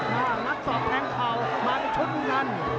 มามัดสอบแรงเขามากับชุดกัน